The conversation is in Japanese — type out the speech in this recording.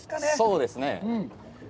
そうですね。